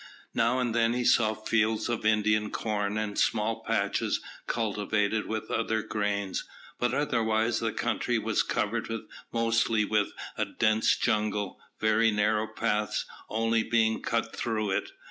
Now and then he saw fields of Indian corn, and small patches cultivated with other grains, but otherwise the country was covered mostly with a dense jungle, very narrow paths only being cut through it.